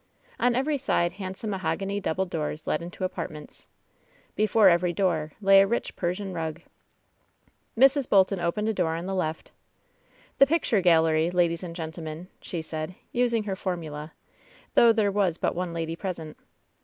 On every side handsome mahogany double doors led into apartments. Before every door lay a rich Persian rug. Mrs. Bolton opened a door on the left. "The picture gallery, ladies and gentlemen," she said, using her formula, though there was but one lady pres ent.